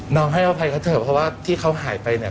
น้องให้เอาไปก็เถอะเพราะว่าที่เขาหายไปเนี่ย